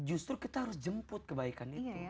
justru kita harus jemput kebaikan itu